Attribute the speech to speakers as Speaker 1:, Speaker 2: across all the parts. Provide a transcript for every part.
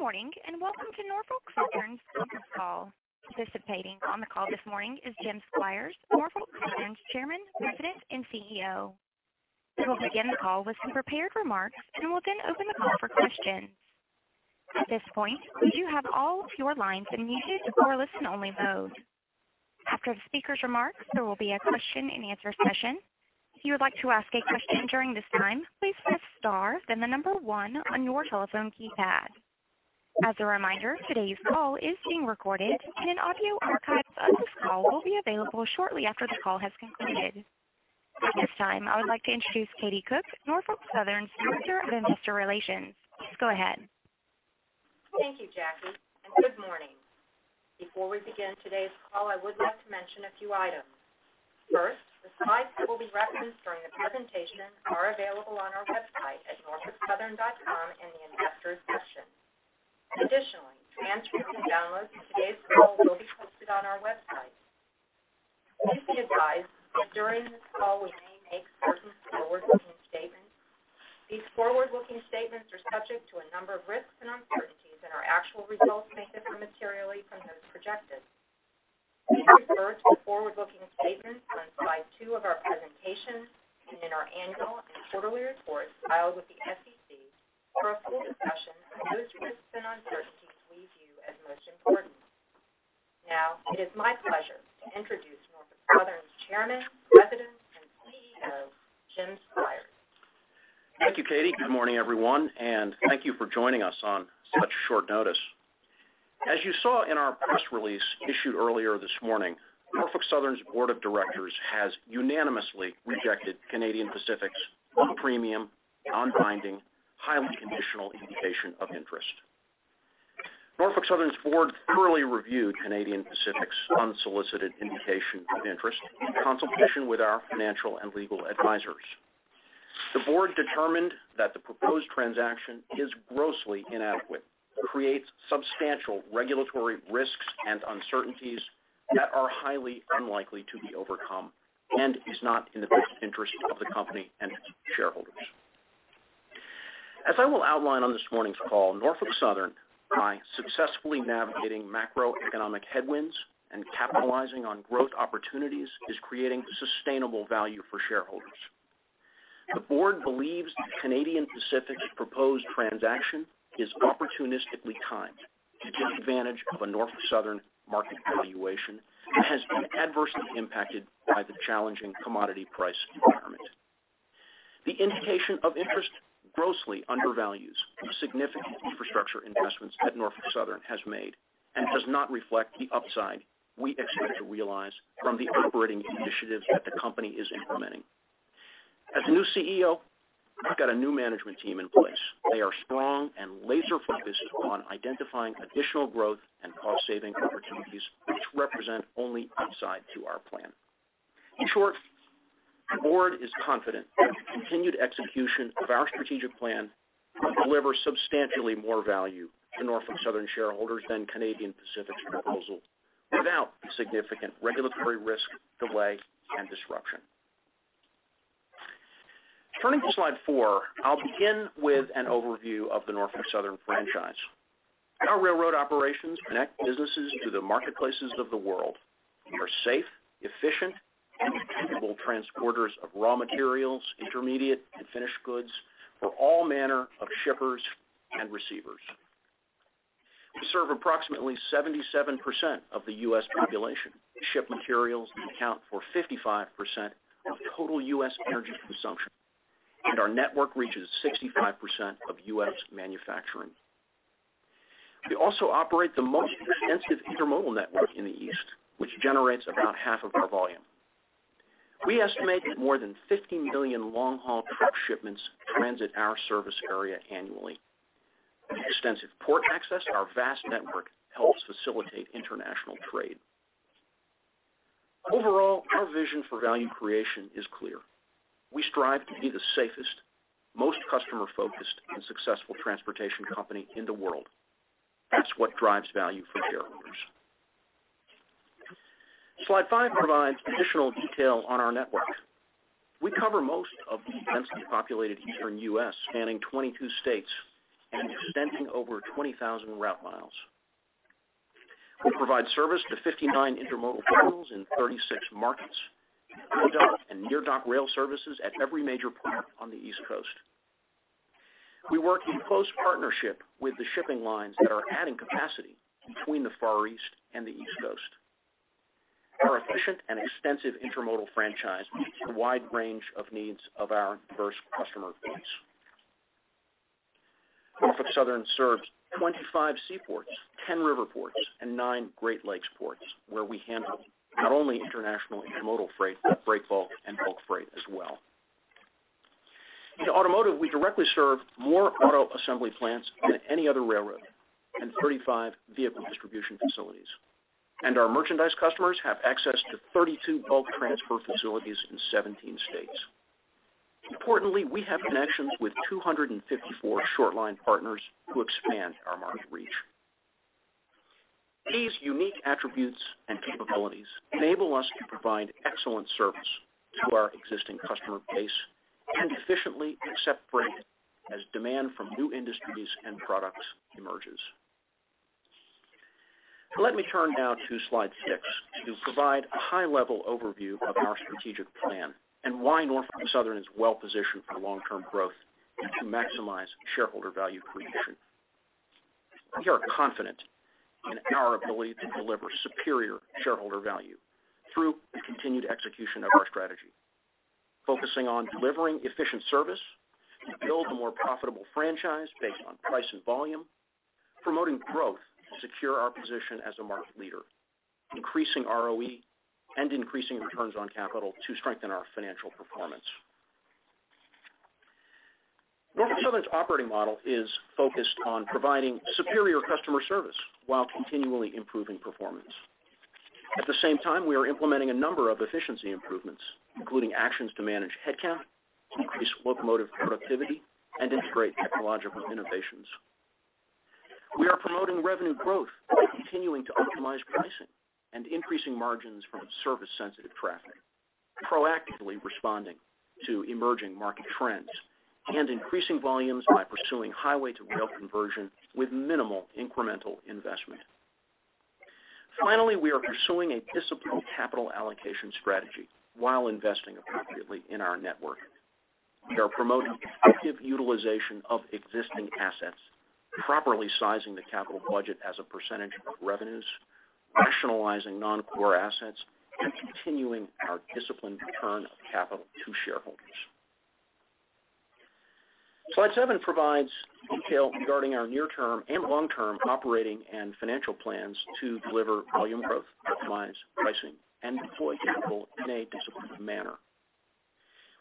Speaker 1: Good morning, and welcome to Norfolk Southern's earnings call. Participating on the call this morning is Jim Squires, Norfolk Southern's Chairman, President, and CEO. We will begin the call with some prepared remarks and will then open the call for questions. At this point, we do have all of your lines muted for listen only mode. After the speaker's remarks, there will be a question and answer session. If you would like to ask a question during this time, please press star, then the number one on your telephone keypad. As a reminder, today's call is being recorded, and an audio archive of this call will be available shortly after the call has concluded. At this time, I would like to introduce Katie Cook, Norfolk Southern's Director of Investor Relations. Please go ahead.
Speaker 2: Thank you, Jackie, and good morning. Before we begin today's call, I would like to mention a few items. First, the slides that will be referenced during the presentation are available on our website at norfolksouthern.com in the Investors section. Additionally, transcripts and downloads of today's call will be posted on our website. Please be advised that during this call, we may make certain forward-looking statements. These forward-looking statements are subject to a number of risks and uncertainties, and our actual results may differ materially from those projected. Please refer to the forward-looking statements on slide two of our presentation and in our annual and quarterly reports filed with the SEC for a full discussion of those risks and uncertainties we view as most important. Now, it is my pleasure to introduce Norfolk Southern's Chairman, President, and CEO, Jim Squires.
Speaker 3: Thank you, Katie. Good morning, everyone, and thank you for joining us on such short notice. As you saw in our press release issued earlier this morning, Norfolk Southern's Board of Directors has unanimously rejected Canadian Pacific's unpremium, non-binding, highly conditional indication of interest. Norfolk Southern's board thoroughly reviewed Canadian Pacific's unsolicited indication of interest in consultation with our financial and legal advisors. The board determined that the proposed transaction is grossly inadequate, creates substantial regulatory risks and uncertainties that are highly unlikely to be overcome, and is not in the best interest of the company and its shareholders. As I will outline on this morning's call, Norfolk Southern, by successfully navigating macroeconomic headwinds and capitalizing on growth opportunities, is creating sustainable value for shareholders. The board believes that Canadian Pacific's proposed transaction is opportunistically timed to take advantage of a Norfolk Southern market valuation that has been adversely impacted by the challenging commodity price environment. The indication of interest grossly undervalues the significant infrastructure investments that Norfolk Southern has made and does not reflect the upside we expect to realize from the operating initiatives that the company is implementing. As the new CEO, I've got a new management team in place. They are strong and laser-focused on identifying additional growth and cost-saving opportunities, which represent only upside to our plan. In short, the board is confident that the continued execution of our strategic plan will deliver substantially more value to Norfolk Southern shareholders than Canadian Pacific's proposal without significant regulatory risk, delay, and disruption. Turning to slide four, I'll begin with an overview of the Norfolk Southern franchise. Our railroad operations connect businesses to the marketplaces of the world and are safe, efficient, and dependable transporters of raw materials, intermediate and finished goods for all manner of shippers and receivers. We serve approximately 77% of the U.S. population, ship materials that account for 55% of total U.S. energy consumption, and our network reaches 65% of U.S. manufacturing. We also operate the most extensive intermodal network in the east, which generates about half of our volume. We estimate that more than 50 million long-haul truck shipments transit our service area annually. With extensive port access, our vast network helps facilitate international trade. Overall, our vision for value creation is clear. We strive to be the safest, most customer-focused, and successful transportation company in the world. That's what drives value for shareholders. Slide five provides additional detail on our network. We cover most of the densely populated eastern U.S., spanning 22 states and extending over 20,000 route miles. We provide service to 59 intermodal terminals in 36 markets, with dock and near-dock rail services at every major port on the East Coast. We work in close partnership with the shipping lines that are adding capacity between the Far East and the East Coast. Our efficient and extensive intermodal franchise meets a wide range of needs of our diverse customer base. Norfolk Southern serves 25 seaports, 10 river ports, and nine Great Lakes ports, where we handle not only international intermodal freight, but break bulk and bulk freight as well. In automotive, we directly serve more auto assembly plants than any other railroad and 35 vehicle distribution facilities, and our merchandise customers have access to 32 bulk transfer facilities in 17 states. Importantly, we have connections with 254 short-line partners who expand our market reach. These unique attributes and capabilities enable us to provide excellent service to our existing customer base and efficiently accept freight as demand from new industries and products emerges. Let me turn now to Slide six to provide a high-level overview of our strategic plan and why Norfolk Southern is well-positioned for long-term growth and to maximize shareholder value creation. We are confident in our ability to deliver superior shareholder value through the continued execution of our strategy, focusing on delivering efficient service to build a more profitable franchise based on price and volume, promoting growth to secure our position as a market leader, increasing ROE, and increasing returns on capital to strengthen our financial performance. Norfolk Southern's operating model is focused on providing superior customer service while continually improving performance. At the same time, we are implementing a number of efficiency improvements, including actions to manage headcount, increase locomotive productivity, and integrate technological innovations. We are promoting revenue growth by continuing to optimize pricing and increasing margins from service-sensitive traffic, proactively responding to emerging market trends, and increasing volumes by pursuing highway-to-rail conversion with minimal incremental investment. Finally, we are pursuing a disciplined capital allocation strategy while investing appropriately in our network. We are promoting effective utilization of existing assets, properly sizing the capital budget as a percentage of revenues, rationalizing non-core assets, and continuing our disciplined return of capital to shareholders. Slide seven provides detail regarding our near-term and long-term operating and financial plans to deliver volume growth, optimize pricing, and deploy capital in a disciplined manner.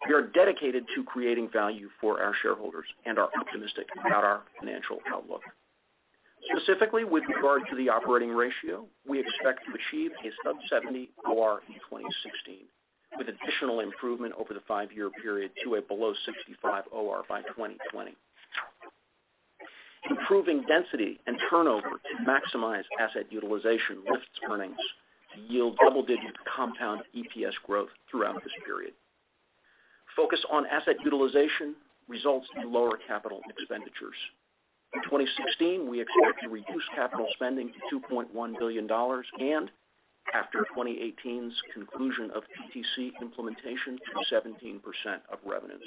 Speaker 3: We are dedicated to creating value for our shareholders and are optimistic about our financial outlook. Specifically, with regard to the operating ratio, we expect to achieve a sub 70 OR in 2016, with additional improvement over the five-year period to a below 65 OR by 2020. Improving density and turnover to maximize asset utilization lifts earnings to yield double-digit compound EPS growth throughout this period. Focus on asset utilization results in lower capital expenditures. In 2016, we expect to reduce capital spending to $2.1 billion and, after 2018's conclusion of PTC implementation, to 17% of revenues.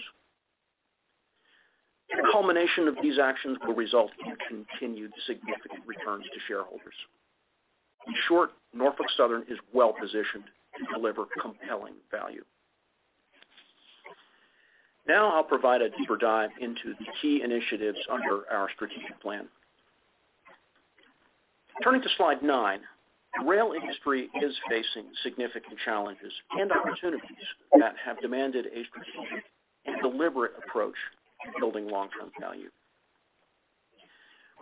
Speaker 3: The culmination of these actions will result in continued significant returns to shareholders. In short, Norfolk Southern is well-positioned to deliver compelling value. Now I'll provide a deeper dive into the key initiatives under our strategic plan. Turning to slide nine, the rail industry is facing significant challenges and opportunities that have demanded a strategic and deliberate approach to building long-term value.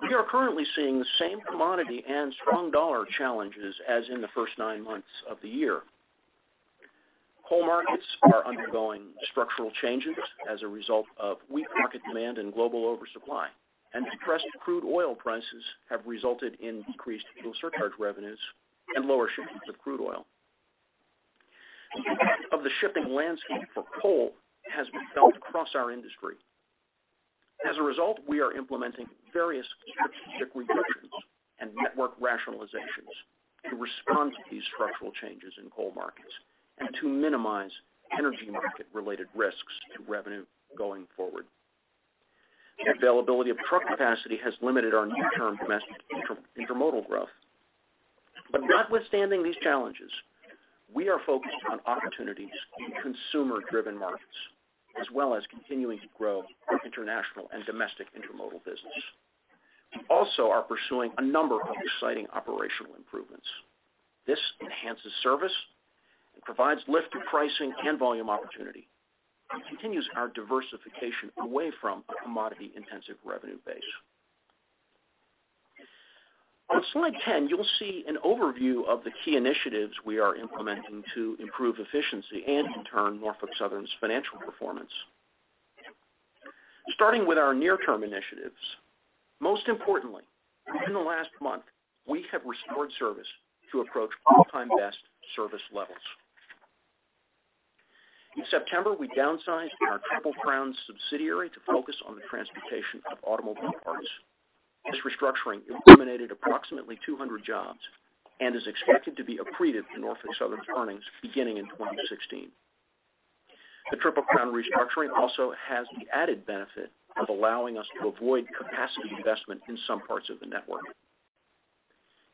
Speaker 3: We are currently seeing the same commodity and strong dollar challenges as in the first nine months of the year. Coal markets are undergoing structural changes as a result of weak market demand and global oversupply, and depressed crude oil prices have resulted in decreased fuel surcharge revenues and lower shipments of crude oil. As a result, we are implementing various strategic reductions and network rationalizations to respond to these structural changes in coal markets and to minimize energy market-related risks to revenue going forward. Notwithstanding these challenges, we are focused on opportunities in consumer-driven markets, as well as continuing to grow our international and domestic intermodal business. We also are pursuing a number of exciting operational improvements. This enhances service and provides lift to pricing and volume opportunity and continues our diversification away from a commodity-intensive revenue base. On slide 10, you'll see an overview of the key initiatives we are implementing to improve efficiency and in turn, Norfolk Southern's financial performance. Starting with our near-term initiatives, most importantly, within the last month, we have restored service to approach all-time best service levels. In September, we downsized our Triple Crown subsidiary to focus on the transportation of automobile parts. This restructuring eliminated approximately 200 jobs and is expected to be accretive to Norfolk Southern's earnings beginning in 2016. The Triple Crown restructuring also has the added benefit of allowing us to avoid capacity investment in some parts of the network.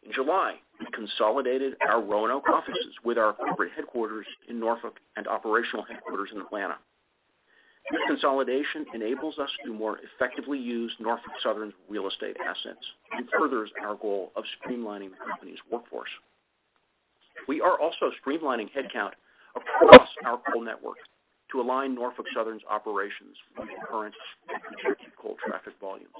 Speaker 3: In July, we consolidated our Roanoke offices with our corporate headquarters in Norfolk and operational headquarters in Atlanta. This consolidation enables us to more effectively use Norfolk Southern's real estate assets and furthers our goal of streamlining the company's workforce. We are also streamlining headcount across our coal network to align Norfolk Southern's operations with the current and future coal traffic volumes.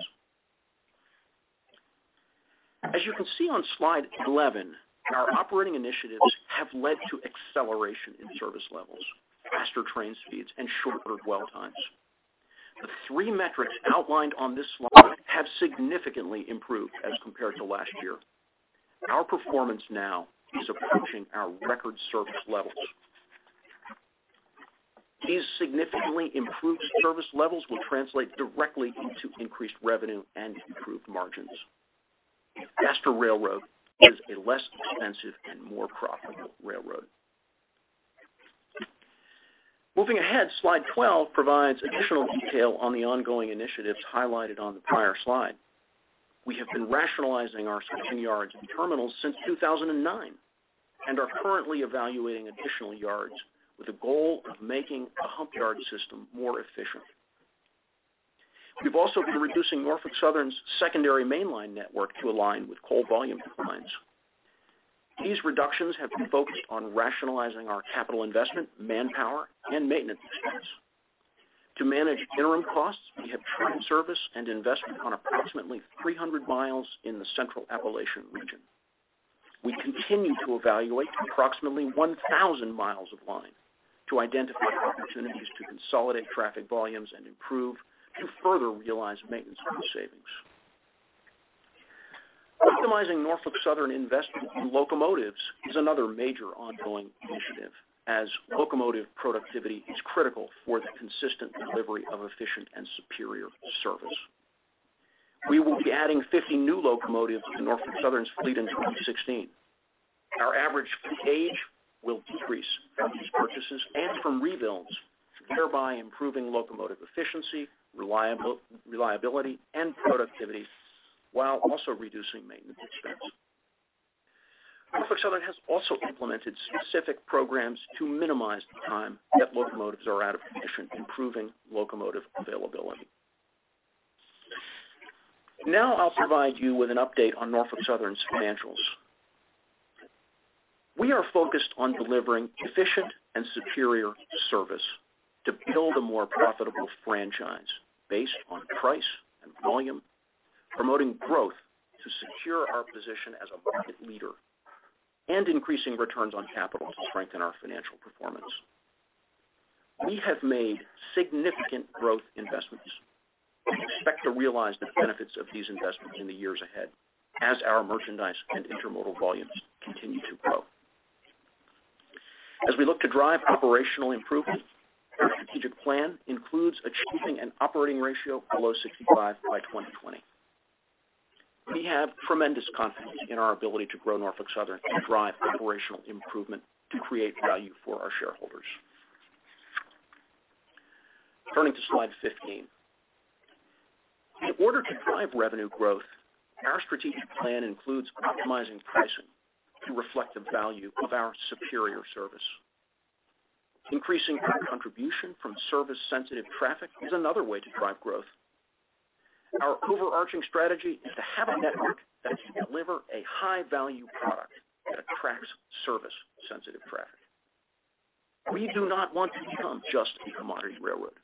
Speaker 3: As you can see on slide 11, our operating initiatives have led to acceleration in service levels, faster train speeds, and shorter dwell times. The three metrics outlined on this slide have significantly improved as compared to last year. Our performance now is approaching our record service levels. These significantly improved service levels will translate directly into increased revenue and improved margins. Faster railroad is a less expensive and more profitable railroad. Moving ahead, slide 12 provides additional detail on the ongoing initiatives highlighted on the prior slide. We have been rationalizing our serving yards and terminals since 2009 and are currently evaluating additional yards with a goal of making a hump yard system more efficient. We've also been reducing Norfolk Southern's secondary mainline network to align with coal volume declines. These reductions have been focused on rationalizing our capital investment, manpower, and maintenance expense. To manage interim costs, we have trimmed service and investment on approximately 300 miles in the Central Appalachian region. We continue to evaluate approximately 1,000 miles of line to identify opportunities to consolidate traffic volumes and improve, and further realize maintenance cost savings. Optimizing Norfolk Southern investment in locomotives is another major ongoing initiative, as locomotive productivity is critical for the consistent delivery of efficient and superior service. We will be adding 50 new locomotives to Norfolk Southern's fleet in 2016. Our average fleet age will decrease from these purchases and from rebuilds, thereby improving locomotive efficiency, reliability, and productivity while also reducing maintenance expense. Norfolk Southern has also implemented specific programs to minimize the time that locomotives are out of commission, improving locomotive availability. Now I'll provide you with an update on Norfolk Southern's financials. We are focused on delivering efficient and superior service to build a more profitable franchise based on price and volume, promoting growth to secure our position as a market leader and increasing returns on capital to strengthen our financial performance. We have made significant growth investments and expect to realize the benefits of these investments in the years ahead as our merchandise and intermodal volumes continue to grow. As we look to drive operational improvement, our strategic plan includes achieving an operating ratio below 65 by 2020. We have tremendous confidence in our ability to grow Norfolk Southern and drive operational improvement to create value for our shareholders. Turning to slide 15. In order to drive revenue growth, our strategic plan includes optimizing pricing to reflect the value of our superior service. Increasing our contribution from service-sensitive traffic is another way to drive growth. Our overarching strategy is to have a network that can deliver a high-value product that attracts service-sensitive traffic. We do not want to become just a commodity railroad.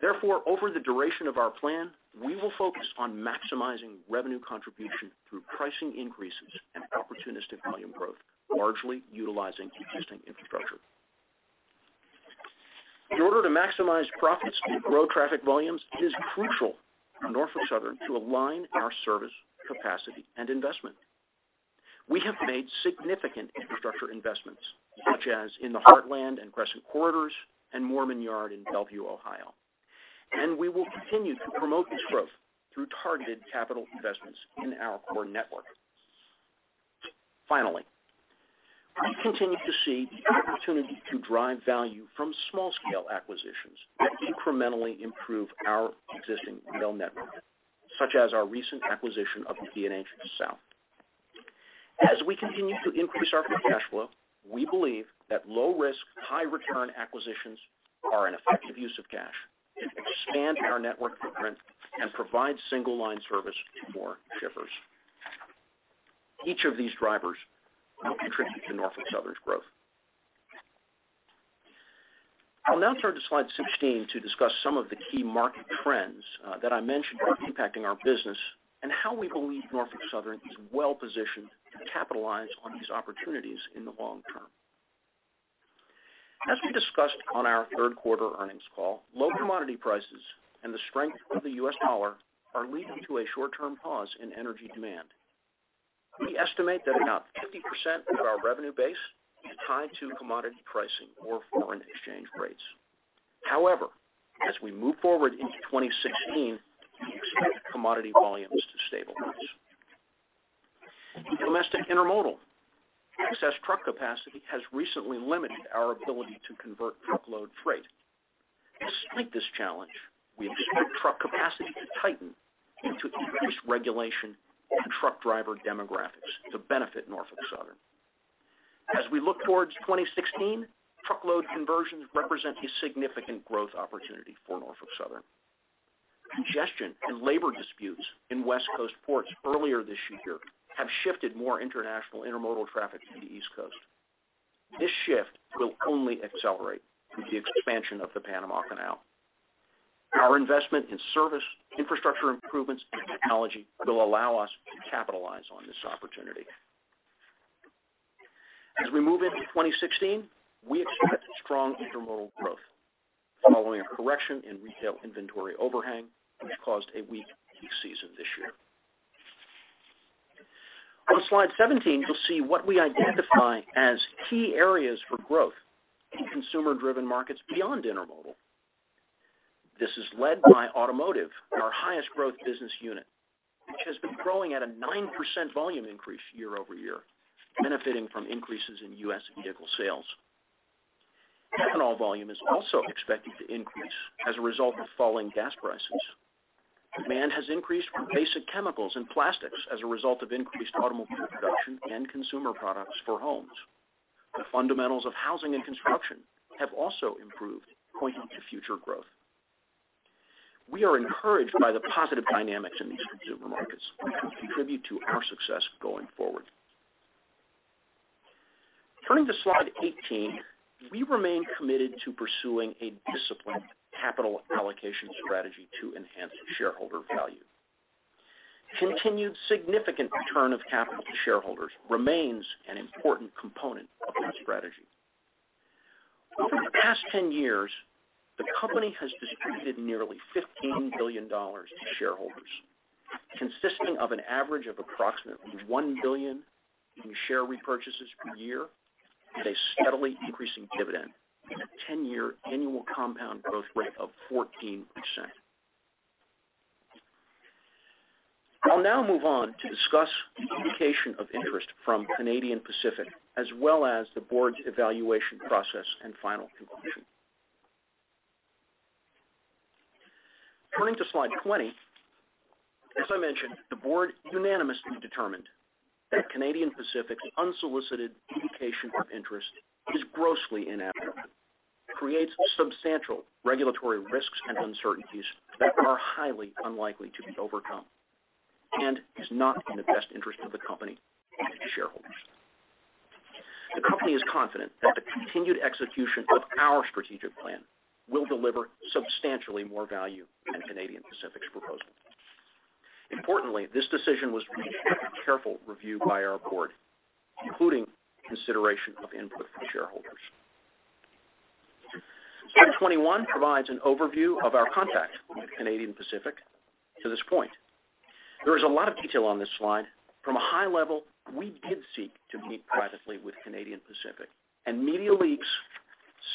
Speaker 3: Therefore, over the duration of our plan, we will focus on maximizing revenue contribution through pricing increases and opportunistic volume growth, largely utilizing existing infrastructure. In order to maximize profits and grow traffic volumes, it is crucial for Norfolk Southern to align our service capacity and investment. We have made significant infrastructure investments, such as in the Heartland and Crescent Corridors and Moorman Yard in Bellevue, Ohio. We will continue to promote this growth through targeted capital investments in our core network. Finally, we continue to see the opportunity to drive value from small-scale acquisitions that incrementally improve our existing rail network, such as our recent acquisition of D&H South. As we continue to increase our free cash flow, we believe that low-risk, high-return acquisitions are an effective use of cash, expand our network footprint, and provide single-line service to more shippers. Each of these drivers will contribute to Norfolk Southern's growth. I'll now turn to slide 16 to discuss some of the key market trends that I mentioned are impacting our business and how we believe Norfolk Southern is well-positioned to capitalize on these opportunities in the long term. As we discussed on our third quarter earnings call, low commodity prices and the strength of the U.S. dollar are leading to a short-term pause in energy demand. We estimate that about 50% of our revenue base is tied to commodity pricing or foreign exchange rates. As we move forward into 2016, we expect commodity volumes to stabilize. In domestic intermodal, excess truck capacity has recently limited our ability to convert truckload freight. Despite this challenge, we expect truck capacity to tighten into increased regulation and truck driver demographics to benefit Norfolk Southern. As we look towards 2016, truckload conversions represent a significant growth opportunity for Norfolk Southern. Congestion and labor disputes in West Coast ports earlier this year have shifted more international intermodal traffic to the East Coast. This shift will only accelerate with the expansion of the Panama Canal. Our investment in service, infrastructure improvements, and technology will allow us to capitalize on this opportunity. As we move into 2016, we expect strong intermodal growth following a correction in retail inventory overhang, which caused a weak peak season this year. On slide 17, you'll see what we identify as key areas for growth in consumer-driven markets beyond intermodal. This is led by automotive, our highest growth business unit, which has been growing at a 9% volume increase year-over-year, benefiting from increases in U.S. vehicle sales. Ethanol volume is also expected to increase as a result of falling gas prices. Demand has increased for basic chemicals and plastics as a result of increased automobile production and consumer products for homes. The fundamentals of housing and construction have also improved, pointing to future growth. We are encouraged by the positive dynamics in these consumer markets, which will contribute to our success going forward. Turning to slide 18, we remain committed to pursuing a disciplined capital allocation strategy to enhance shareholder value. Continued significant return of capital to shareholders remains an important component of our strategy. Over the past 10 years, the company has distributed nearly $15 billion to shareholders, consisting of an average of approximately one billion in share repurchases per year and a steadily increasing dividend with a 10-year annual compound growth rate of 14%. I'll now move on to discuss the indication of interest from Canadian Pacific, as well as the board's evaluation process and final conclusion. Turning to slide 20, as I mentioned, the board unanimously determined that Canadian Pacific's unsolicited indication of interest is grossly inadequate, creates substantial regulatory risks and uncertainties that are highly unlikely to be overcome, and is not in the best interest of the company and its shareholders. The company is confident that the continued execution of our strategic plan will deliver substantially more value than Canadian Pacific's proposal. Importantly, this decision was reached after careful review by our board, including consideration of input from shareholders. Slide 21 provides an overview of our contact with Canadian Pacific to this point. There is a lot of detail on this slide. From a high level, we did seek to meet privately with Canadian Pacific and media leaks,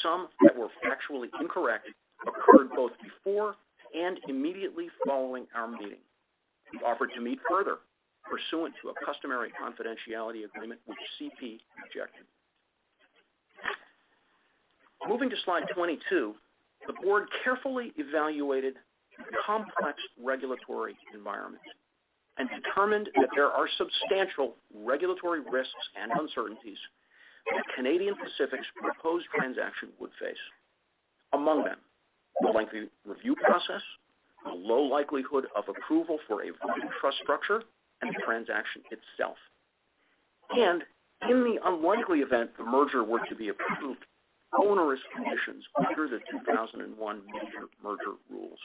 Speaker 3: some that were factually incorrect, occurred both before and immediately following our meeting. We offered to meet further pursuant to a customary confidentiality agreement, which CP rejected. Moving to slide 22, the board carefully evaluated the complex regulatory environment and determined that there are substantial regulatory risks and uncertainties that Canadian Pacific's proposed transaction would face. Among them, the lengthy review process, the low likelihood of approval for a voting trust structure and the transaction itself. In the unlikely event the merger were to be approved, onerous conditions under the 2001 major merger rules.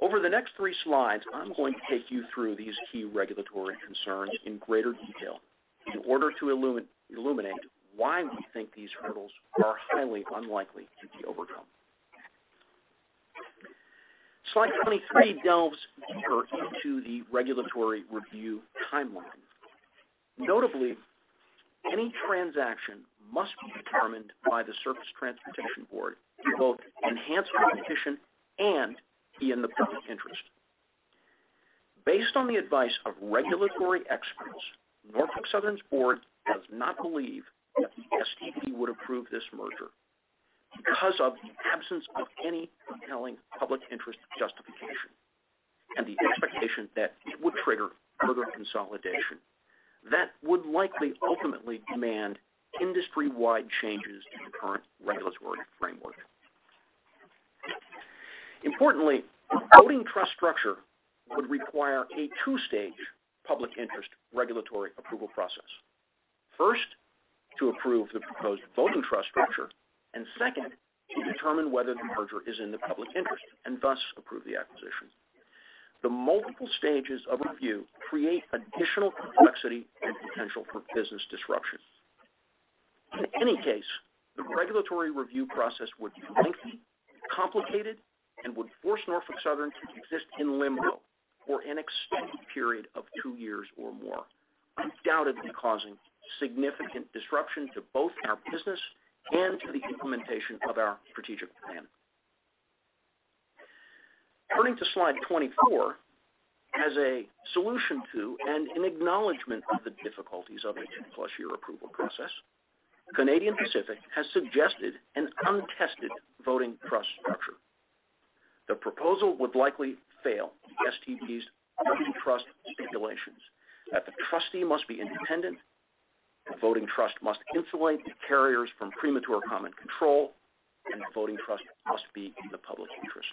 Speaker 3: Over the next three slides, I'm going to take you through these key regulatory concerns in greater detail in order to illuminate why we think these hurdles are highly unlikely to be overcome. Slide 23 delves deeper into the regulatory review timeline. Notably, any transaction must be determined by the Surface Transportation Board to both enhance competition and be in the public interest. Based on the advice of regulatory experts, Norfolk Southern's board does not believe that the STB would approve this merger because of the absence of any compelling public interest justification and the expectation that it would trigger further consolidation that would likely ultimately demand industry-wide changes to the current regulatory framework. Importantly, the voting trust structure would require a 2-stage public interest regulatory approval process. First, to approve the proposed voting trust structure, and second, to determine whether the merger is in the public interest and thus approve the acquisition. The multiple stages of review create additional complexity and potential for business disruption. In any case, the regulatory review process would be lengthy, complicated, and would force Norfolk Southern to exist in limbo for an extended period of two years or more, undoubtedly causing significant disruption to both our business and to the implementation of our strategic plan. Turning to slide 24, as a solution to and an acknowledgement of the difficulties of a two-plus year approval process, Canadian Pacific has suggested an untested voting trust structure. The proposal would likely fail the STB's voting trust stipulations that the trustee must be independent, the voting trust must insulate the carriers from premature common control, and the voting trust must be in the public interest.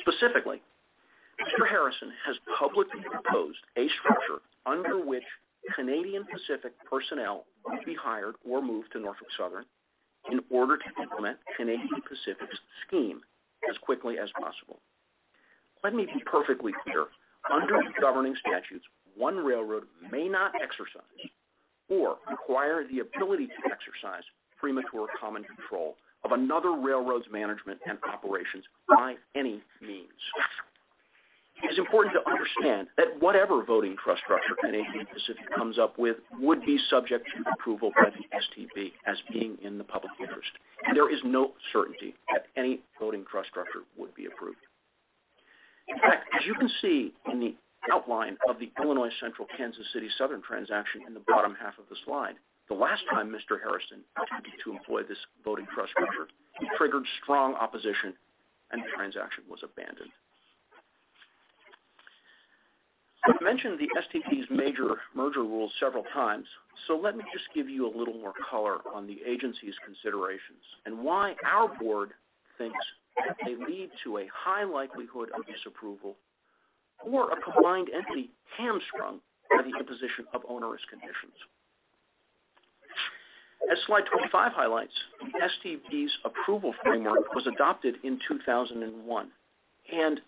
Speaker 3: Specifically, Mr. Harrison has publicly proposed a structure under which Canadian Pacific personnel would be hired or moved to Norfolk Southern in order to implement Canadian Pacific's scheme as quickly as possible. Let me be perfectly clear. Under the governing statutes, one railroad may not exercise or acquire the ability to exercise premature common control of another railroad's management and operations by any means. It is important to understand that whatever voting trust structure Canadian Pacific comes up with would be subject to approval by the STB as being in the public interest, and there is no certainty that any voting trust structure would be approved. In fact, as you can see in the outline of the Illinois Central/Kansas City Southern transaction in the bottom half of the slide, the last time Mr. Harrison attempted to employ this voting trust structure, he triggered strong opposition, and the transaction was abandoned. I've mentioned the STB's major merger rules several times, so let me just give you a little more color on the agency's considerations and why our board thinks that they lead to a high likelihood of disapproval or a combined entity hamstrung by the imposition of onerous conditions. As slide 25 highlights, the STB's approval framework was adopted in 2001 and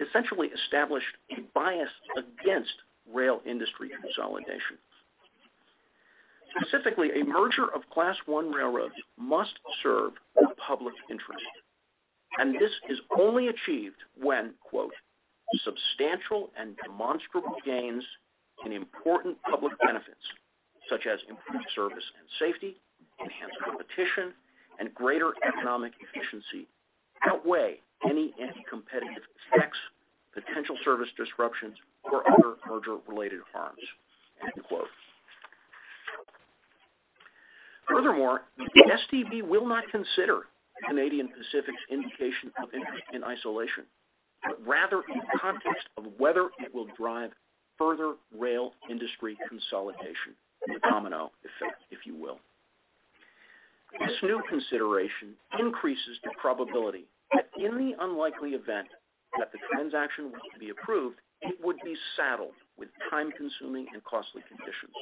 Speaker 3: essentially established a bias against rail industry consolidation. Specifically, a merger of Class I railroads must serve the public interest, and this is only achieved when, quote, "Substantial and demonstrable gains and important public benefits, such as improved service and safety, enhanced competition, and greater economic efficiency, outweigh any anti-competitive effects, potential service disruptions, or other merger-related harms." End quote. Furthermore, the STB will not consider Canadian Pacific's indication of interest in isolation, but rather in context of whether it will drive further rail industry consolidation. The domino effect, if you will. This new consideration increases the probability that in the unlikely event that the transaction were to be approved, it would be saddled with time-consuming and costly conditions.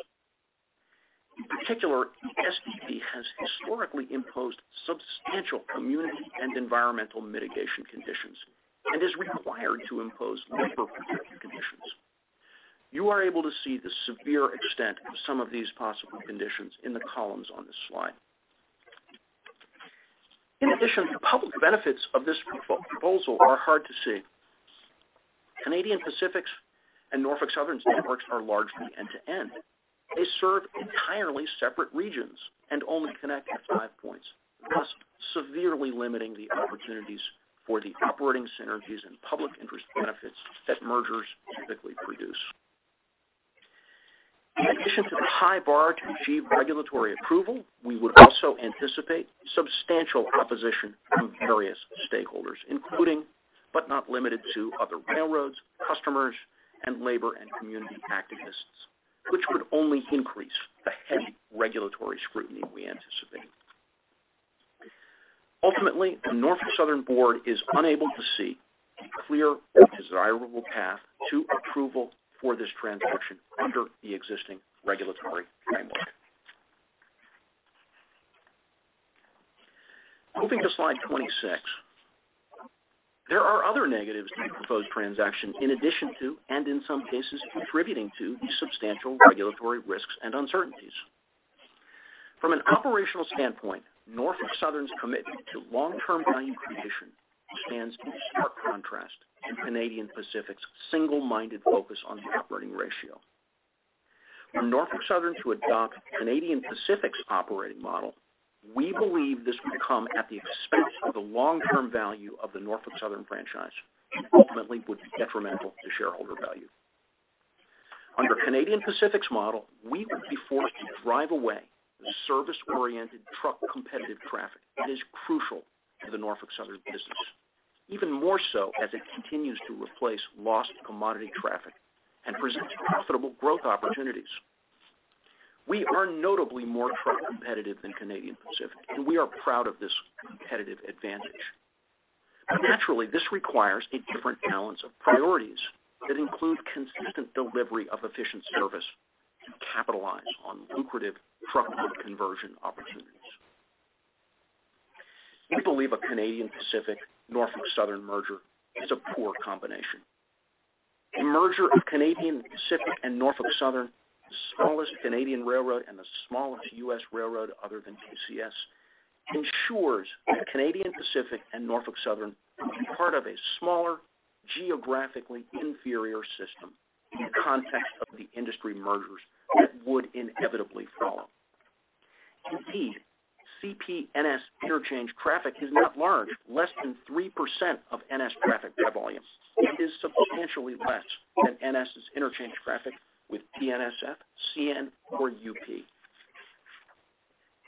Speaker 3: In particular, the STB has historically imposed substantial community and environmental mitigation conditions and is required to impose labor protection conditions. You are able to see the severe extent of some of these possible conditions in the columns on this slide. In addition, the public benefits of this proposal are hard to see. Canadian Pacific's and Norfolk Southern's networks are largely end-to-end. They serve entirely separate regions and only connect at five points, thus severely limiting the opportunities for the operating synergies and public interest benefits that mergers typically produce. In addition to the high bar to achieve regulatory approval, we would also anticipate substantial opposition from various stakeholders, including, but not limited to, other railroads, customers, and labor and community activists, which would only increase the heavy regulatory scrutiny we anticipate. Ultimately, the Norfolk Southern board is unable to see a clear or desirable path to approval for this transaction under the existing regulatory framework. Moving to slide 26. There are other negatives to the proposed transaction in addition to, and in some cases, contributing to, the substantial regulatory risks and uncertainties. From an operational standpoint, Norfolk Southern's commitment to long-term value creation stands in sharp contrast to Canadian Pacific's single-minded focus on the operating ratio. For Norfolk Southern to adopt Canadian Pacific's operating model, we believe this would come at the expense of the long-term value of the Norfolk Southern franchise and ultimately would be detrimental to shareholder value. Under Canadian Pacific's model, we would be forced to drive away the service-oriented truck competitive traffic that is crucial to the Norfolk Southern business, even more so as it continues to replace lost commodity traffic and presents profitable growth opportunities. We are notably more truck competitive than Canadian Pacific, and we are proud of this competitive advantage. Naturally, this requires a different balance of priorities that include consistent delivery of efficient service to capitalize on lucrative truck route conversion opportunities. We believe a Canadian Pacific/Norfolk Southern merger is a poor combination. A merger of Canadian Pacific and Norfolk Southern, the smallest Canadian railroad and the smallest U.S. railroad other than KCS, ensures that Canadian Pacific and Norfolk Southern will be part of a smaller, geographically inferior system in the context of the industry mergers that would inevitably follow. Indeed, CP NS interchange traffic is not large, less than 3% of NS traffic by volume, and is substantially less than NS' interchange traffic with BNSF, CN, or UP.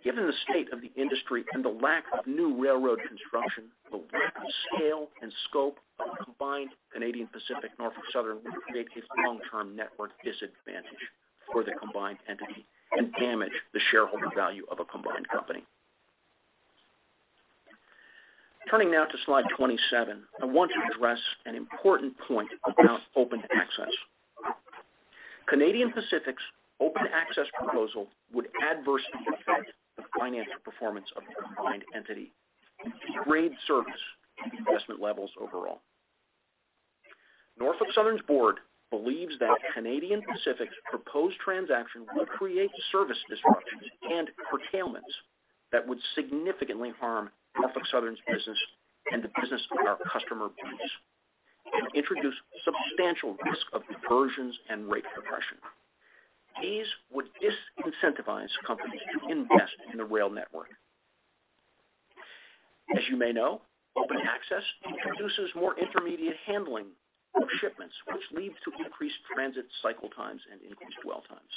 Speaker 3: Given the state of the industry and the lack of new railroad construction, the lack of scale and scope of a combined Canadian Pacific/Norfolk Southern would create a long-term network disadvantage for the combined entity and damage the shareholder value of a combined company. Turning now to slide 27, I want to address an important point about Open Access. Canadian Pacific's Open Access proposal would adversely affect the financial performance of the combined entity and degrade service and investment levels overall. Norfolk Southern's board believes that Canadian Pacific's proposed transaction would create service disruptions and curtailments that would significantly harm Norfolk Southern's business and the business of our customer base and introduce substantial risk of diversions and rate compression. These would disincentivize companies to invest in the rail network. As you may know, Open Access introduces more intermediate handling of shipments, which leads to increased transit cycle times and increased dwell times.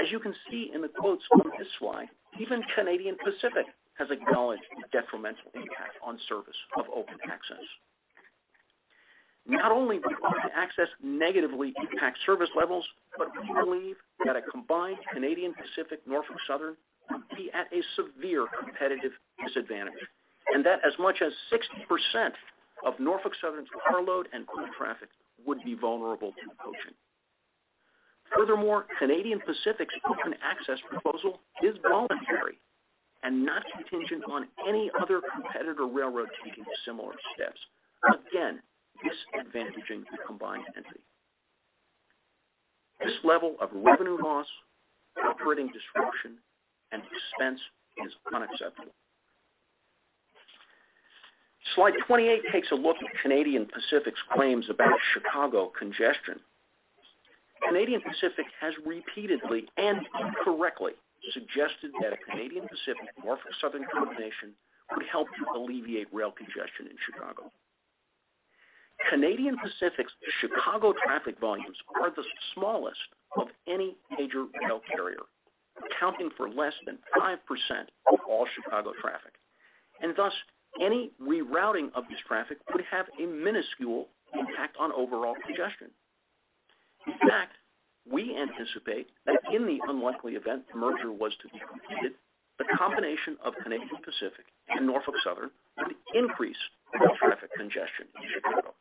Speaker 3: As you can see in the quotes on this slide, even Canadian Pacific has acknowledged the detrimental impact on service of Open Access. Not only would Open Access negatively impact service levels, but we believe that a combined Canadian Pacific, Norfolk Southern would be at a severe competitive disadvantage and that as much as 60% of Norfolk Southern's carload and intermodal traffic would be vulnerable to poaching. Furthermore, Canadian Pacific's Open Access proposal is voluntary and not contingent on any other competitor railroad taking similar steps, again, disadvantaging the combined entity. This level of revenue loss, operating disruption, and expense is unacceptable. Slide 28 takes a look at Canadian Pacific's claims about Chicago congestion. Canadian Pacific has repeatedly and incorrectly suggested that a Canadian Pacific, Norfolk Southern combination would help to alleviate rail congestion in Chicago. Canadian Pacific's Chicago traffic volumes are the smallest of any major rail carrier, accounting for less than 5% of all Chicago traffic, and thus any rerouting of this traffic would have a minuscule impact on overall congestion. In fact, we anticipate that in the unlikely event the merger was to be completed, the combination of Canadian Pacific and Norfolk Southern would increase rail traffic congestion in Chicago.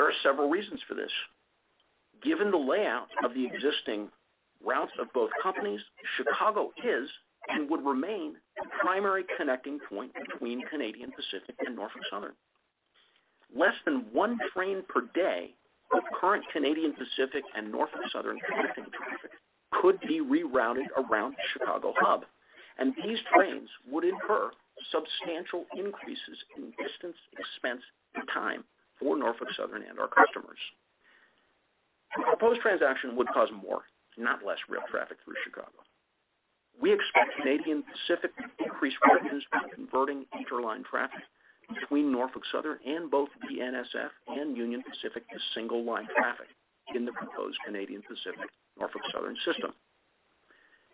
Speaker 3: There are several reasons for this. Given the layout of the existing routes of both companies, Chicago is and would remain the primary connecting point between Canadian Pacific and Norfolk Southern. Less than one train per day of current Canadian Pacific and Norfolk Southern interline traffic could be rerouted around the Chicago hub, and these trains would incur substantial increases in distance, expense, and time for Norfolk Southern and our customers. The proposed transaction would cause more, not less, rail traffic through Chicago. We expect Canadian Pacific to increase volumes by converting interline traffic between Norfolk Southern and both BNSF and Union Pacific to single-line traffic in the proposed Canadian Pacific, Norfolk Southern system.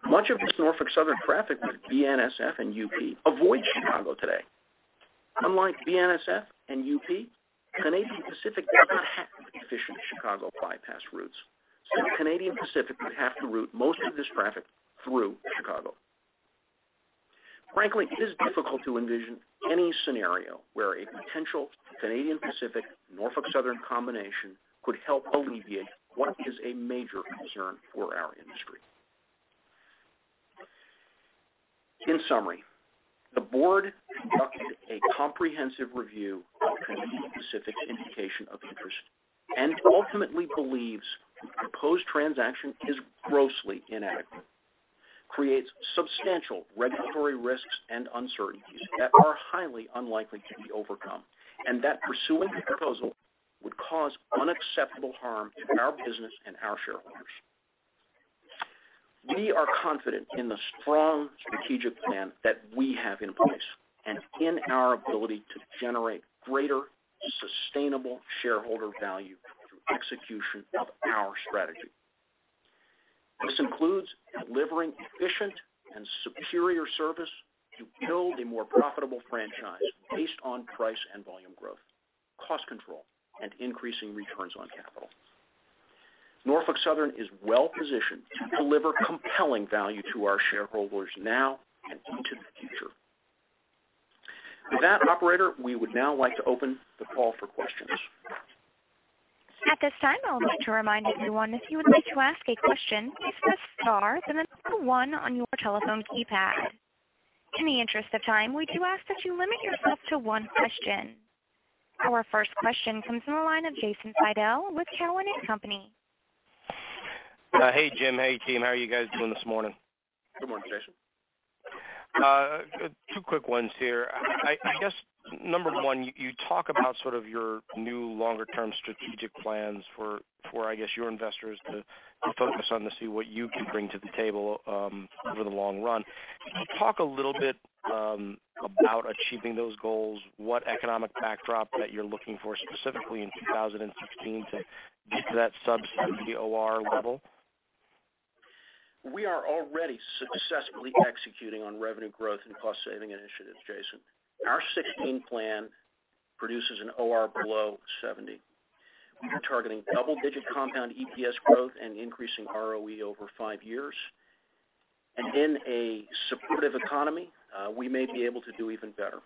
Speaker 3: Much of this Norfolk Southern traffic with BNSF and UP avoids Chicago today. Unlike BNSF and UP, Canadian Pacific does not have efficient Chicago bypass routes, so Canadian Pacific would have to route most of this traffic through Chicago. Frankly, it is difficult to envision any scenario where a potential Canadian Pacific, Norfolk Southern combination could help alleviate what is a major concern for our industry. In summary, the board conducted a comprehensive review of Canadian Pacific's indication of interest and ultimately believes the proposed transaction is grossly inadequate, creates substantial regulatory risks and uncertainties that are highly unlikely to be overcome, and that pursuing the proposal would cause unacceptable harm to our business and our shareholders. We are confident in the strong strategic plan that we have in place and in our ability to generate greater sustainable shareholder value through execution of our strategy. This includes delivering efficient and superior service to build a more profitable franchise based on price and volume growth, cost control, and increasing returns on capital. Norfolk Southern is well-positioned to deliver compelling value to our shareholders now and into the future. With that, operator, we would now like to open the call for questions.
Speaker 1: At this time, I would like to remind everyone, if you would like to ask a question, please press star, then the number 1 on your telephone keypad. In the interest of time, we do ask that you limit yourself to one question. Our first question comes from the line of Jason Seidl with Cowen and Company.
Speaker 4: Hey, Jim. Hey, team. How are you guys doing this morning?
Speaker 3: Good morning, Jason.
Speaker 4: Two quick ones here. I guess number one, you talk about your new longer-term strategic plans for, I guess, your investors to focus on to see what you can bring to the table over the long run. Can you talk a little bit about achieving those goals, what economic backdrop that you're looking for specifically in 2016 to get to that sub 70 OR level?
Speaker 3: We are already successfully executing on revenue growth and cost-saving initiatives, Jason. Our 2016 plan produces an OR below 70. We are targeting double-digit compound EPS growth and increasing ROE over five years. In a supportive economy, we may be able to do even better.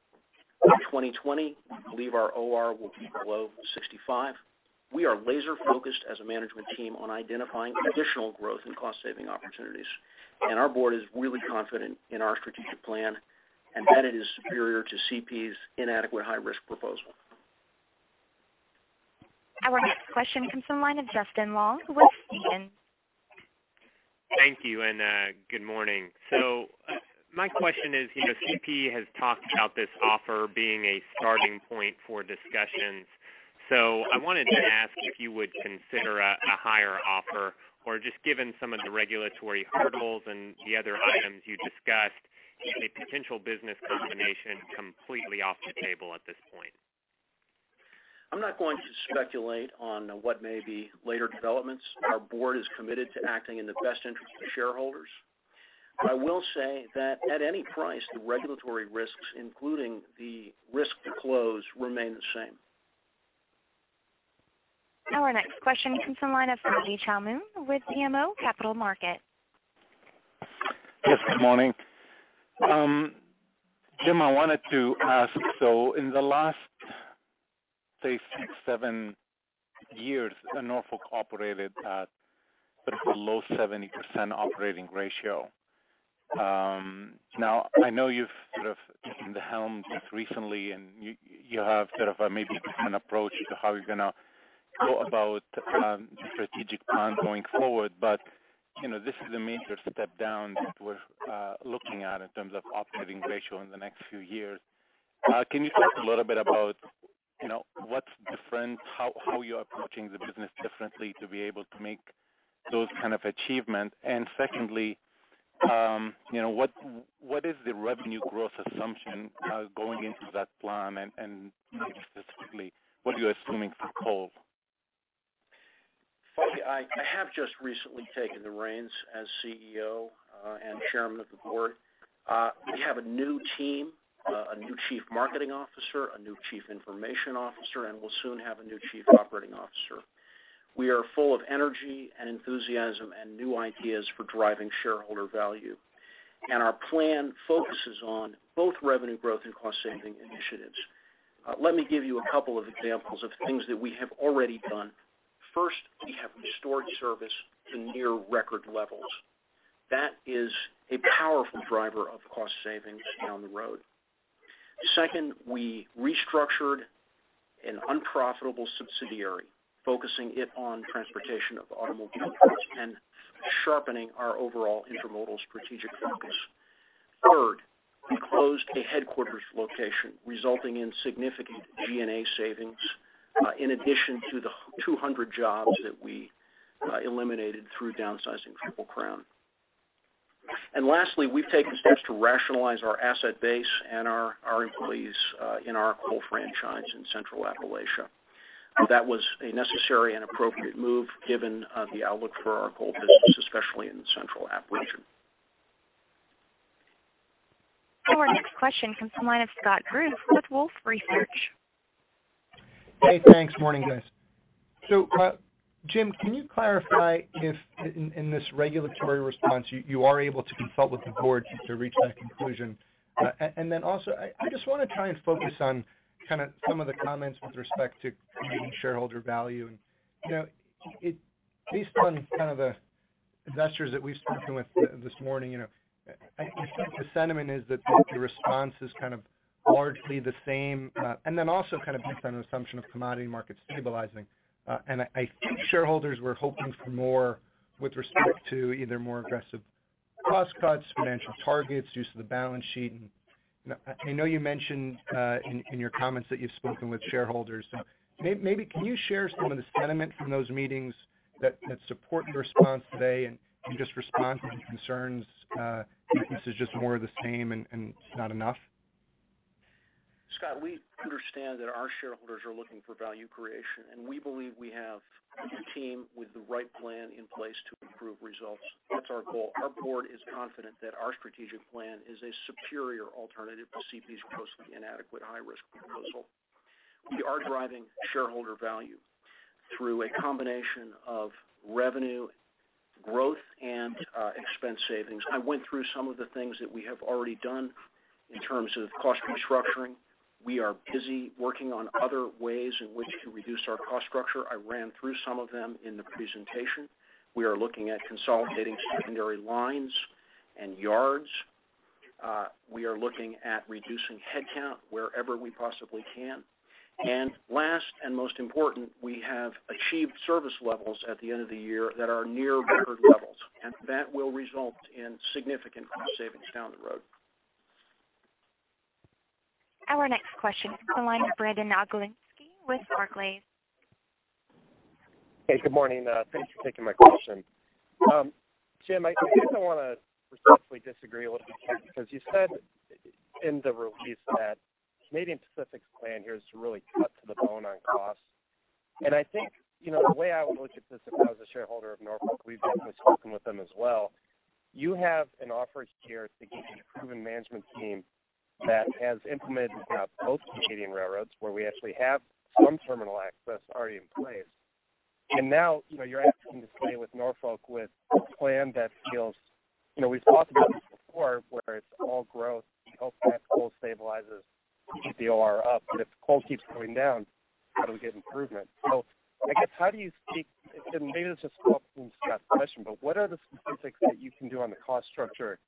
Speaker 3: In 2020, we believe our OR will be below 65. We are laser focused as a management team on identifying additional growth and cost saving opportunities, and our board is really confident in our strategic plan and that it is superior to CP's inadequate high-risk proposal.
Speaker 1: Our next question comes from the line of Justin Long with Stephens.
Speaker 5: Thank you, and good morning. My question is, CP has talked about this offer being a starting point for discussions, I wanted to ask if you would consider a higher offer or just given some of the regulatory hurdles and the other items you discussed, is a potential business combination completely off the table at this point?
Speaker 3: I'm not going to speculate on what may be later developments. Our board is committed to acting in the best interest of shareholders. I will say that at any price, the regulatory risks, including the risk to close, remain the same.
Speaker 1: Our next question comes from the line of Fadi Chamoun with BMO Capital Markets.
Speaker 6: Yes, good morning. Jim, I wanted to ask, in the last, say, six, seven years, Norfolk operated at sort of a low 70% operating ratio. I know you've taken the helm just recently, and you have maybe a different approach to how you're going to go about the strategic plan going forward. This is a major step down that we're looking at in terms of operating ratio in the next few years. Can you talk a little bit about what's different, how you're approaching the business differently to be able to make those kind of achievements? Secondly, what is the revenue growth assumption going into that plan and specifically, what are you assuming for coal?
Speaker 3: Fadi, I have just recently taken the reins as CEO, and Chairman of the Board. We have a new team, a new Chief Marketing Officer, a new Chief Information Officer, and we'll soon have a new Chief Operating Officer. We are full of energy and enthusiasm and new ideas for driving shareholder value. Our plan focuses on both revenue growth and cost-saving initiatives. Let me give you a couple of examples of things that we have already done. First, we have restored service to near record levels. That is a powerful driver of cost savings down the road. Second, we restructured an unprofitable subsidiary, focusing it on transportation of automobile trucks and sharpening our overall intermodal strategic focus. Third, we closed a headquarters location, resulting in significant G&A savings, in addition to the 200 jobs that we eliminated through downsizing Triple Crown. Lastly, we've taken steps to rationalize our asset base and our employees in our coal franchise in Central Appalachia. That was a necessary and appropriate move given the outlook for our coal business, especially in the Central App region.
Speaker 1: Our next question comes from the line of Scott Group with Wolfe Research.
Speaker 7: Hey, thanks. Morning, guys. Jim, can you clarify if in this regulatory response, you are able to consult with the board to reach that conclusion? Then also, I just want to try and focus on some of the comments with respect to creating shareholder value, and based on the investors that we've spoken with this morning, I think the sentiment is that the response is largely the same. Then also based on an assumption of commodity markets stabilizing. I think shareholders were hoping for more with respect to either more aggressive cost cuts, financial targets, use of the balance sheet, and I know you mentioned in your comments that you've spoken with shareholders. Maybe can you share some of the sentiment from those meetings that support your response today and just respond to any concerns that this is just more of the same and it's not enough?
Speaker 3: Scott, we understand that our shareholders are looking for value creation, and we believe we have a new team with the right plan in place to improve results. That's our goal. Our board is confident that our strategic plan is a superior alternative to CP's grossly inadequate high-risk proposal. We are driving shareholder value through a combination of revenue growth and expense savings. I went through some of the things that we have already done in terms of cost restructuring. We are busy working on other ways in which to reduce our cost structure. I ran through some of them in the presentation. We are looking at consolidating secondary lines and yards. We are looking at reducing headcount wherever we possibly can. Last and most important, we have achieved service levels at the end of the year that are near record levels, and that will result in significant cost savings down the road.
Speaker 1: Our next question comes from the line of Brandon Oglenski with Barclays.
Speaker 8: Hey, good morning. Thanks for taking my question. Jim, I kind of want to respectfully disagree a little bit here, because you said in the release that Canadian Pacific's plan here is to really cut to the bone on costs. I think, the way I would look at this, if I was a shareholder of Norfolk, we've been spoken with them as well. You have an offer here to get a proven management team that has implemented both Canadian railroads, where we actually have some terminal access already in place. Now, you're asking to stay with Norfolk with a plan. We've talked about this before, where it's all growth. We hope that coal stabilizes, keep the OR up, but if coal keeps going down, how do we get improvement? I guess, how do you speak, and maybe this is a Scott question, but what are the specifics that you can do on the cost structure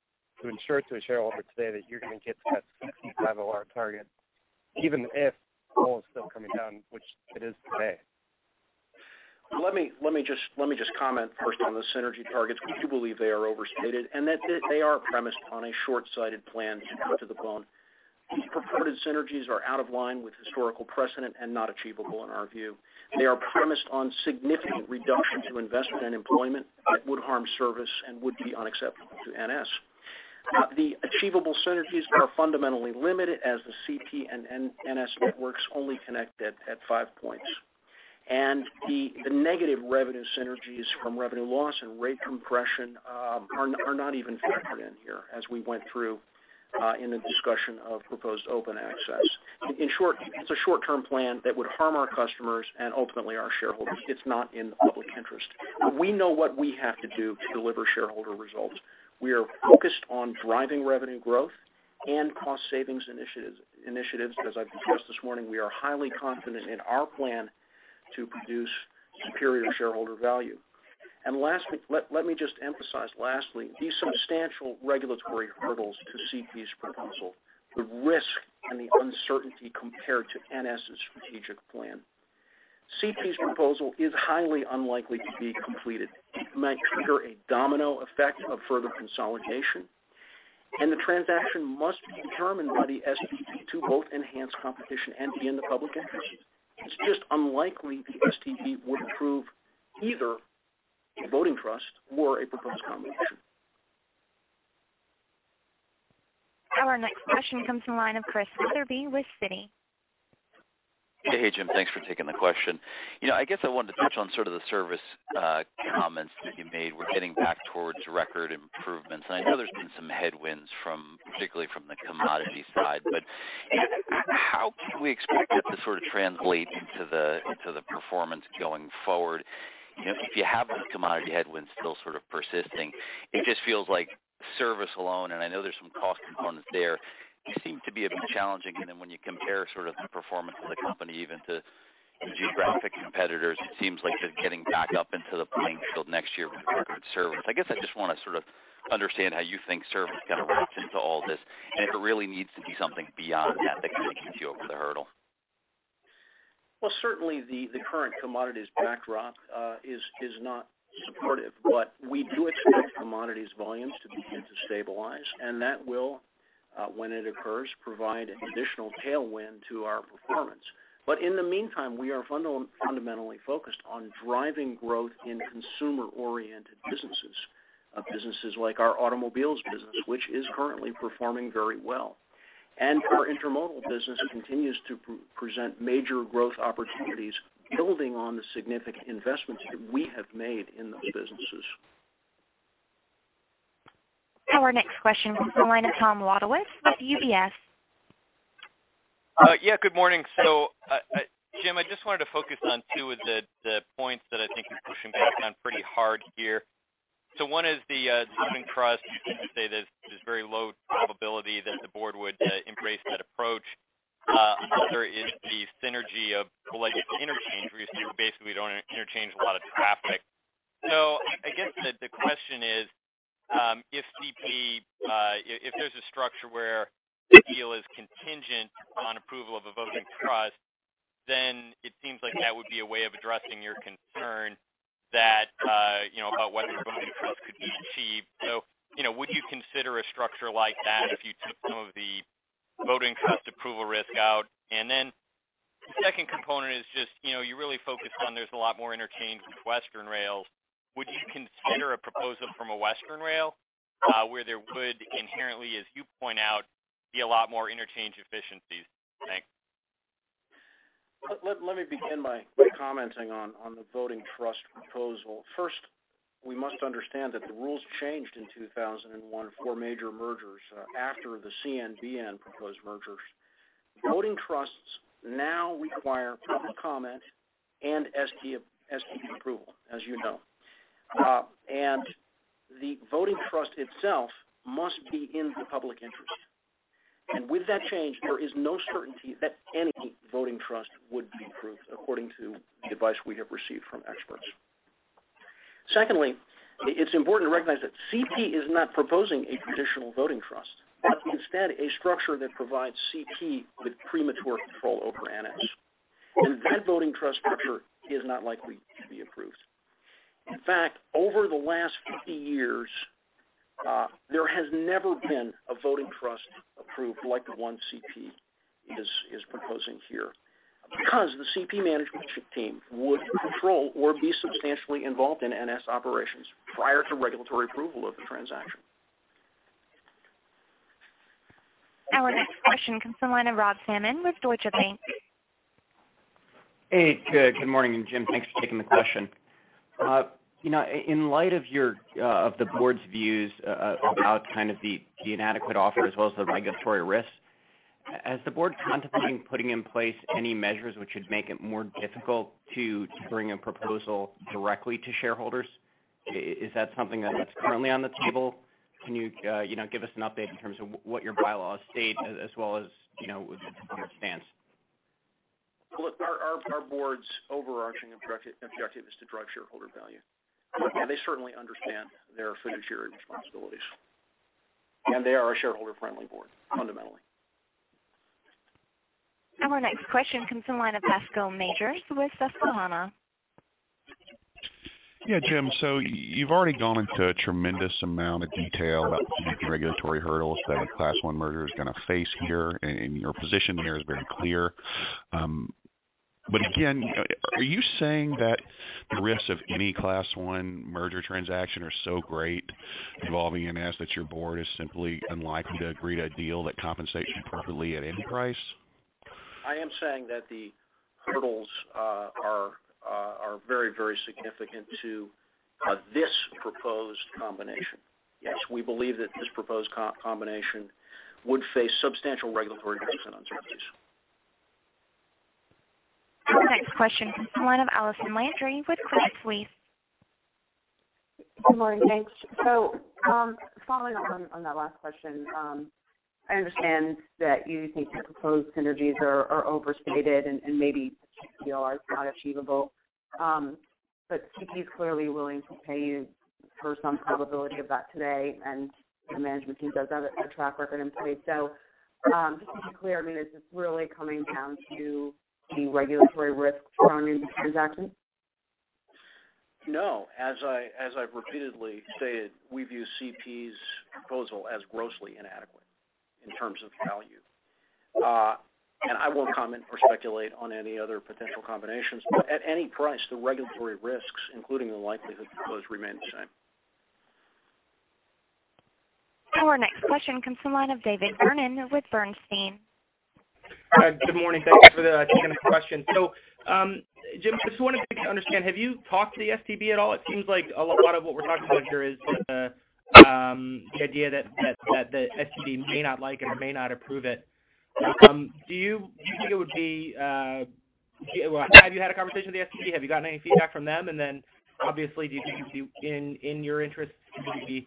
Speaker 8: to ensure to a shareholder today that you're going to get to that 16,500 target, even if coal is still coming down, which it is today?
Speaker 3: Let me just comment first on the synergy targets. We do believe they are overstated and that they are premised on a shortsighted plan to get to the bone. The purported synergies are out of line with historical precedent and not achievable in our view. They are premised on significant reduction to investment and employment that would harm service and would be unacceptable to NS. The achievable synergies are fundamentally limited as the CP and NS networks only connect at five points. The negative revenue synergies from revenue loss and rate compression are not even factored in here, as we went through in the discussion of proposed Open Access. In short, it's a short-term plan that would harm our customers and ultimately our shareholders. It's not in the public interest. We know what we have to do to deliver shareholder results. We are focused on driving revenue growth and cost savings initiatives. As I've discussed this morning, we are highly confident in our plan to produce superior shareholder value. Let me just emphasize lastly, the substantial regulatory hurdles to CP's proposal, the risk and the uncertainty compared to NS's strategic plan. CP's proposal is highly unlikely to be completed. It might trigger a domino effect of further consolidation, and the transaction must be determined by the STB to both enhance competition and be in the public interest. It's just unlikely the STB would approve either a voting trust or a proposed combination.
Speaker 1: Our next question comes from the line of Chris Wetherbee with Citi.
Speaker 9: Hey, Jim. Thanks for taking the question. I wanted to touch on sort of the service comments that you made. We're getting back towards record improvements, and I know there's been some headwinds, particularly from the commodity side, but how can we expect it to translate into the performance going forward? If you have those commodity headwinds still persisting, it just feels like service alone, and I know there's some cost components there, seem to be a bit challenging. When you compare the performance of the company even to geographic competitors, it seems like they're getting back up into the playing field next year with record service. I just want to understand how you think service wraps into all this, and if it really needs to be something beyond that gets you over the hurdle.
Speaker 3: Well, certainly the current commodities backdrop is not supportive. We do expect commodities volumes to begin to stabilize, and that will, when it occurs, provide an additional tailwind to our performance. In the meantime, we are fundamentally focused on driving growth in consumer-oriented businesses like our automobiles business, which is currently performing very well. Our intermodal business continues to present major growth opportunities, building on the significant investments that we have made in those businesses.
Speaker 1: Our next question comes from the line of Tom Wadewitz with UBS.
Speaker 10: Good morning. Jim, I just wanted to focus on two of the points that I think you're pushing back on pretty hard here. One is the voting trust. Other is the synergy of alleged interchange, where you basically don't interchange a lot of traffic. The question is, if there's a structure where the deal is contingent on approval of a voting trust, then it seems like that would be a way of addressing your concern about whether voting trust could be achieved. The second component is just, you really focused on there's a lot more interchange with Western rails. Would you consider a proposal from a Western rail, where there would inherently, as you point out, be a lot more interchange efficiencies? Thanks.
Speaker 3: Let me begin by commenting on the voting trust proposal. First, we must understand that the rules changed in 2001 for major mergers after the CN/BNSF proposed mergers. Voting trusts now require public comment and STB approval, as you know. The voting trust itself must be in the public interest. With that change, there is no certainty that any voting trust would be approved according to the advice we have received from experts. Secondly, it's important to recognize that CP is not proposing a traditional voting trust, but instead a structure that provides CP with premature control over NS. That voting trust structure is not likely to be approved. In fact, over the last 50 years, there has never been a voting trust approved like the one CP is proposing here because the CP management team would control or be substantially involved in NS operations prior to regulatory approval of the transaction.
Speaker 1: Our next question comes from the line of Robert Salmon with Deutsche Bank.
Speaker 11: Hey, good morning, Jim. Thanks for taking the question. In light of the board's views about the inadequate offer as well as the regulatory risks Has the board contemplated putting in place any measures which would make it more difficult to bring a proposal directly to shareholders? Is that something that's currently on the table? Can you give us an update in terms of what your bylaws state as well as your stance?
Speaker 3: Well, look, our board's overarching objective is to drive shareholder value. They certainly understand their fiduciary responsibilities, they are a shareholder-friendly board, fundamentally.
Speaker 1: Our next question comes from the line of Bascome Majors with Susquehanna.
Speaker 12: Jim, you've already gone into a tremendous amount of detail about the regulatory hurdles that a Class I merger is going to face here, and your position here has been clear. Again, are you saying that the risks of any Class I merger transaction are so great involving NS that your board is simply unlikely to agree to a deal that compensates you properly at any price?
Speaker 3: I am saying that the hurdles are very significant to this proposed combination. We believe that this proposed combination would face substantial regulatory risks and uncertainties.
Speaker 1: Our next question comes from the line of Allison Landry with Credit Suisse.
Speaker 13: Good morning. Thanks. Following up on that last question, I understand that you think the proposed synergies are overstated and maybe the [PLR] are not achievable. CP is clearly willing to pay you for some probability of that today, and the management team does have a track record in place. Just to be clear, is this really coming down to the regulatory risks surrounding the transaction?
Speaker 3: No. As I've repeatedly stated, we view CP's proposal as grossly inadequate in terms of value. I won't comment or speculate on any other potential combinations, at any price, the regulatory risks, including the likelihood to close, remain the same.
Speaker 1: Our next question comes from the line of David Vernon with Bernstein.
Speaker 14: Good morning. Thanks for taking the question. Jim, just wanted to understand, have you talked to the STB at all? It seems like a lot of what we're talking about here is the idea that the STB may not like it or may not approve it. Have you had a conversation with the STB? Have you gotten any feedback from them? Obviously, do you think it's in your interest to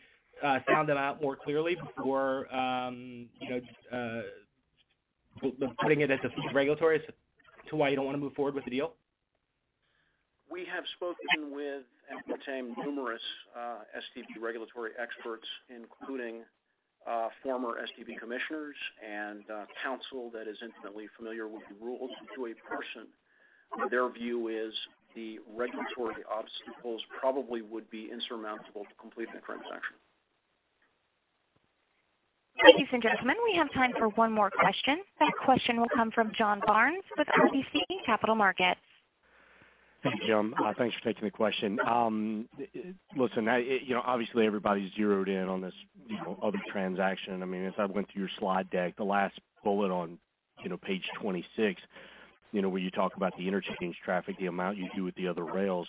Speaker 14: sound them out more clearly before putting it as the regulatory as to why you don't want to move forward with the deal?
Speaker 3: We have spoken with and retained numerous STB regulatory experts, including former STB commissioners and counsel that is intimately familiar with the rules. To a person, their view is the regulatory obstacles probably would be insurmountable to complete the transaction.
Speaker 1: Ladies and gentlemen, we have time for one more question. That question will come from John Barnes with RBC Capital Markets.
Speaker 15: Thank you, Jim. Thanks for taking the question. Listen, obviously everybody's zeroed in on this other transaction. As I went through your slide deck, the last bullet on page 26, where you talk about the interchange traffic, the amount you do with the other rails,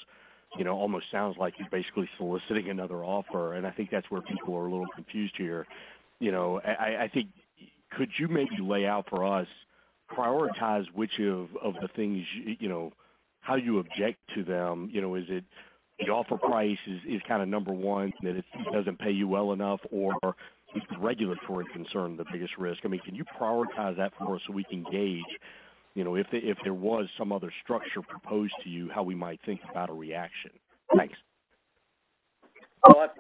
Speaker 15: almost sounds like you're basically soliciting another offer. I think that's where people are a little confused here. Could you maybe lay out for us, prioritize which of the things, how you object to them? Is it the offer price is number one, that it doesn't pay you well enough, or is the regulatory concern the biggest risk? Can you prioritize that for us so we can gauge if there was some other structure proposed to you, how we might think about a reaction? Thanks.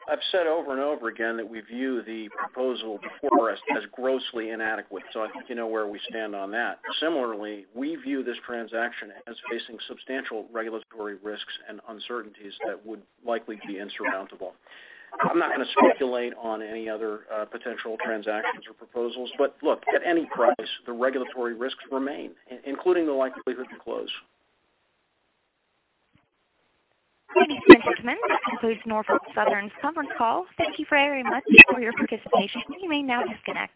Speaker 3: I've said over and over again that we view the proposal before us as grossly inadequate, I think you know where we stand on that. Similarly, we view this transaction as facing substantial regulatory risks and uncertainties that would likely be insurmountable. I'm not going to speculate on any other potential transactions or proposals. Look, at any price, the regulatory risks remain, including the likelihood to close.
Speaker 1: Ladies and gentlemen, this concludes Norfolk Southern's conference call. Thank you very much for your participation. You may now disconnect.